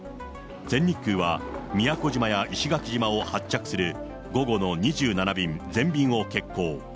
全日空は宮古島や石垣島を発着する午後の２７便全便を欠航。